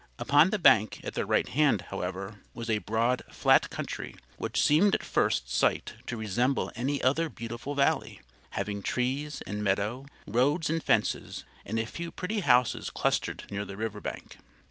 Upon the bank at their right hand, however, was a broad, flat country, which seemed at first sight to resemble any other beautiful valley, having trees and meadow, roads and fences, and a few pretty houses clustered near the river bank.